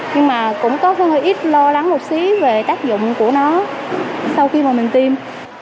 nhưng mà cũng có hơi ít lo lắng một xí về tác dụng của nó sau khi mà mình tiêm